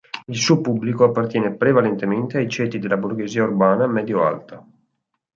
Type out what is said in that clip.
Il suo pubblico appartiene prevalentemente ai ceti della borghesia urbana medio-alta.